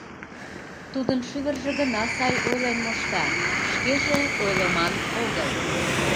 Тудын шӱвыржӧ гына сай ойлен мошта, шкеже ойлыман огыл.